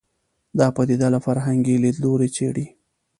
دا پدیده له فرهنګي لید لوري څېړي